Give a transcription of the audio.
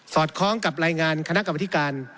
อดคล้องกับรายงานคณะกรรมธิการ